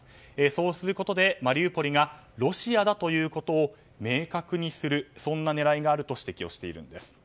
そうすることでマリウポリがロシアだということを明確にする、そんな狙いがあると指摘しています。